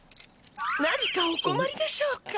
何かおこまりでしょうか？